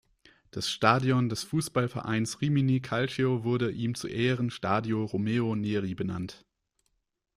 Das Stadion des Fußballvereins Rimini Calcio wurde ihm zu Ehren Stadio Romeo Neri benannt.